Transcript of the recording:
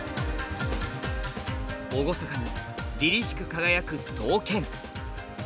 厳かに凜々しく輝く刀剣。